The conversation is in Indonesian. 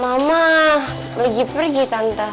mama lagi pergi tante